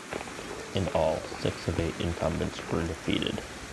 In all, six of eight incumbents were defeated.